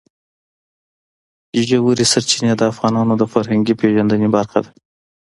ژورې سرچینې د افغانانو د فرهنګي پیژندنې برخه ده.